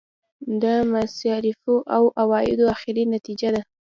دا د مصارفو او عوایدو اخري نتیجه ده.